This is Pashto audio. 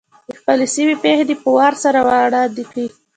د خپلې سیمې پېښې دې په وار سره وړاندي کړي.